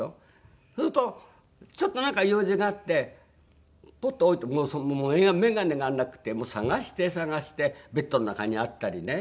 そうするとちょっとなんか用事があってポッと置いたらもう眼鏡がなくて捜して捜してベッドの中にあったりね。